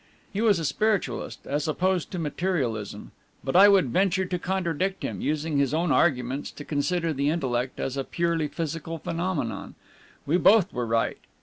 He was a spiritualist (as opposed to materialism); but I would venture to contradict him, using his own arguments to consider the intellect as a purely physical phenomenon. We both were right.